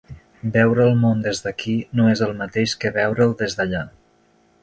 Veure el món des d'aquí no és el mateix que veure'l des d'allà.